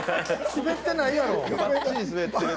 スベってないやろ。